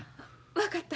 分かった。